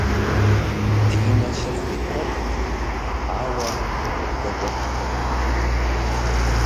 Динэ лъыхъу и куэдт, ауэ яхудэкӏуэртэкъым.